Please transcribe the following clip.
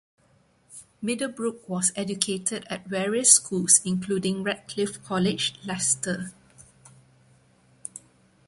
Middlebrook was educated at various schools, including Ratcliffe College, Leicester.